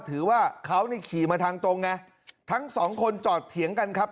ถือว่าเขานี่ขี่มาทางตรงไงทั้งสองคนจอดเถียงกันครับ